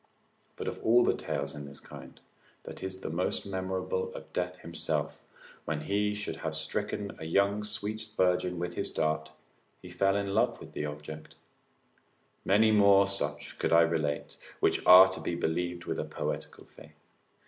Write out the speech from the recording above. But of all the tales in this kind, that is the most memorable of Death himself, when he should have strucken a sweet young virgin with his dart, he fell in love with the object. Many more such could I relate which are to be believed with a poetical faith.